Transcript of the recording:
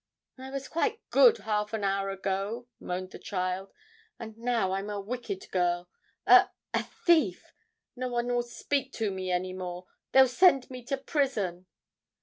'I was quite good half an hour ago,' moaned the child, 'and now I'm a wicked girl a a thief! No one will speak to me any more they'll send me to prison!'